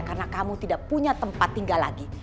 karena kamu tidak punya tempat tinggal lagi